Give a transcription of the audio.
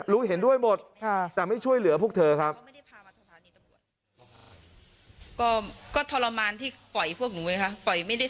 รู้เห็นด้วยหมดแต่ไม่ช่วยเหลือพวกเธอครับ